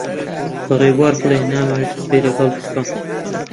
بە ڕێبوار بڵێ نامەوێت قسەی لەگەڵ بکەم.